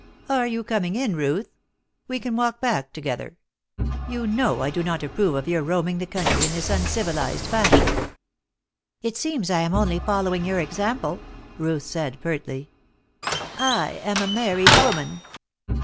"Are you coming in, Ruth? We can walk back together. You know I do not approve of your roaming the country in this uncivilised fashion." "It seems I am only following your example," Ruth said, pertly. "I am a married woman."